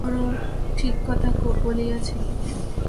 বড়ো ঠিক কথা বলিয়াছেন।